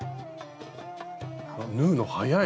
縫うの早い！